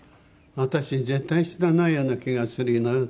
「私絶対死なないような気がするの」